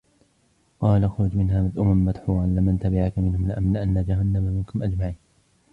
قال اخرج منها مذءوما مدحورا لمن تبعك منهم لأملأن جهنم منكم أجمعين